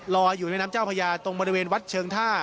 ลอยอยู่ในแม่น้ำเจ้าพญาตรงบริเวณวัดเชิงท่า